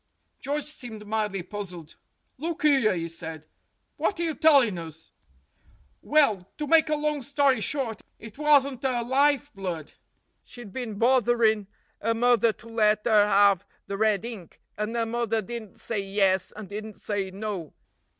George seemed mildly puzzled. "Look 'ere," he said, "what are you tellin' us?" "Well, to make a long story short, it wasn't 'er life blood. She'd bin botherin' 'er mother to let 'er 'ave the red ink, and 'er mother didn't say 'Yes' and didn't say v No.'